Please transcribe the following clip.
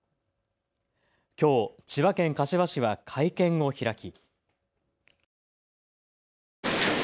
きょう千葉県柏市は会見を開き。